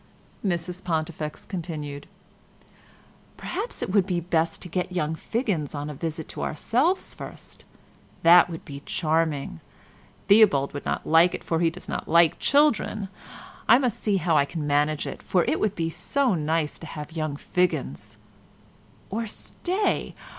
Mrs Pontifex continued— "Perhaps it would be best to get young Figgins on a visit to ourselves first. That would be charming. Theobald would not like it, for he does not like children; I must see how I can manage it, for it would be so nice to have young Figgins—or stay!